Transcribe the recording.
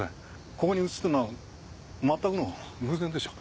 ここに写ってるのはまったくの偶然でしょう。